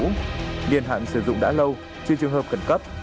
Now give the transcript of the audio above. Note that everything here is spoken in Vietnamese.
nghiên hạn sử dụng đã lâu chưa trường hợp khẩn cấp